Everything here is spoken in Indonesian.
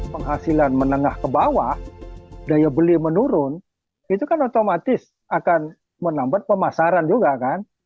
penghasilan menengah ke bawah daya beli menurun itu kan otomatis akan menambah pemasaran juga kan